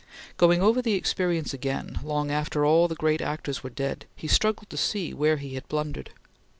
Going over the experience again, long after all the great actors were dead, he struggled to see where he had blundered.